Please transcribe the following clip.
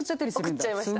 送っちゃいました。